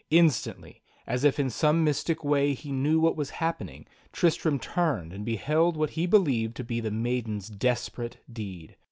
Instantly, as if in some mystic way he knew what was happening, Tristram turned and beheld what he believed to be the maiden's desperate deed.